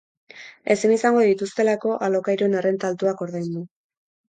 Ezin izango dituztelako alokairuen errenta altuak ordaindu.